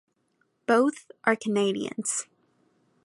Both are Canadians.